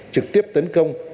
trực tiếp tấn công